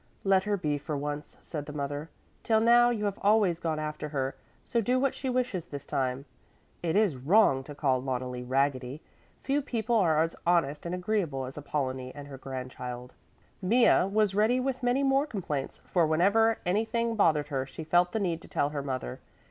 "Let her be for once," said the mother. "Till now you have always gone after her; so do what she wishes this time. It is wrong to call Loneli raggedy; few people are as honest and agreeable as Apollonie and her grandchild." Mea was ready with many more complaints, for whenever anything bothered her, she felt the need to tell her mother.